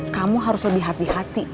kamu harus lebih hati hati